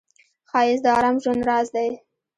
ښایست د آرام ژوند راز دی